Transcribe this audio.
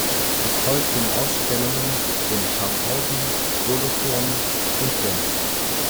Es folgten Ausstellungen in Schaffhausen, Solothurn und Genf.